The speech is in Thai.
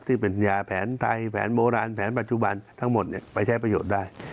ที่เป็นยาแผนไทยแผนโบราณแผนปัจจุบันทั้งหมดไปใช้ประโยชน์ได้